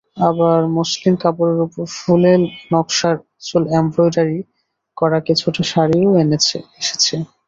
আবার মসলিনের কাপড়ের ওপরে ফুলেল নকশার উজ্জ্বল এমব্রয়ডারি করা কিছু শাড়িও এসেছে।